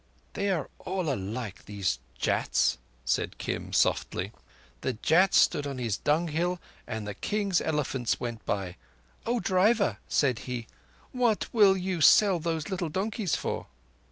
"They are alike, these Jats," said Kim softly. "The Jat stood on his dunghill and the King's elephants went by. 'O driver,' said he, 'what will you sell those little donkeys for?